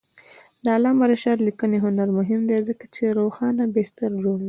د علامه رشاد لیکنی هنر مهم دی ځکه چې روښانه بستر جوړوي.